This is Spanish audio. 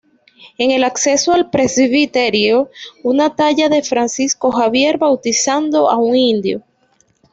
En el acceso al presbiterio, una talla de Francisco Javier bautizando a un indio.